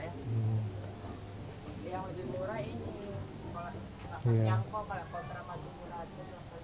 yang jendora ini kalau nyangkau kalau kau kera masuk beratnya